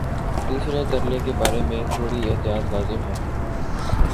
تیسرے ترلے کے بارے میں تھوڑی احتیاط لازم ہے۔